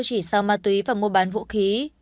chỉ sau ma túy và mua bán vũ khí